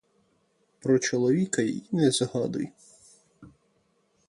Про чоловіка й не згадуй.